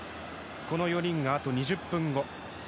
この４人があと２０分後。